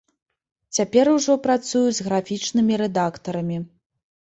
Цяпер ужо працую з графічнымі рэдактарамі.